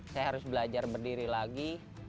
saya harus belajar berdiri lagi